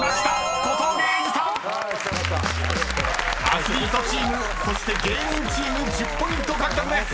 ［アスリートチームそして芸人チーム１０ポイント獲得です］